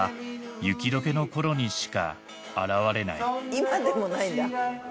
今でもないんだ。